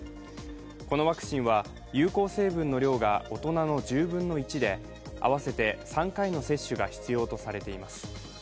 このワクチンは有効成分の量が大人の１０分の１で合わせて３回の接種が必要とされています。